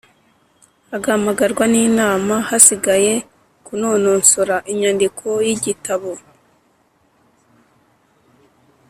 agahamagarwa n’imana hasigaye kunononsora inyandiko y’igitabo.